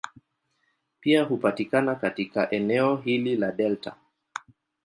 Pia hupatikana katika eneo hili la delta.